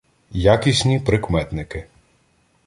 Якісні прикметники